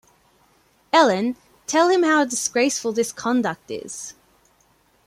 Ellen, tell him how disgraceful this conduct is.